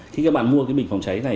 khi các bạn mua cái bình phòng cháy này